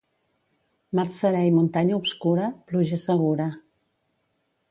Mar serè i muntanya obscura, pluja segura.